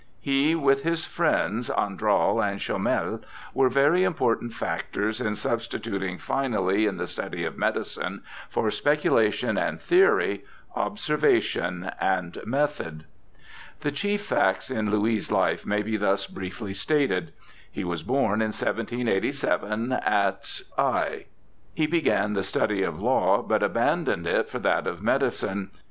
He, with his friends Andral and Chomel, were very important factors in substituting finally in the study of medicine, for speculation and theory, observation and method. The chief facts in Louis' life may be thus briefly stated. He was born in 1787 at Ai. He began the study of law, but abandoned it for that of medicine.